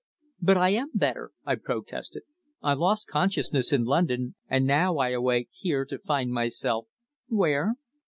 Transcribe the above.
"But I am better," I protested. "I lost consciousness in London and now I awake here to find myself where?"